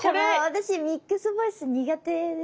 私ミックスボイス苦手です。